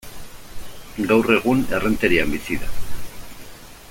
Gaur egun Errenterian bizi da.